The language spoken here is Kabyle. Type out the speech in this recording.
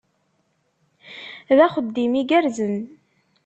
D axeddim igerrzen!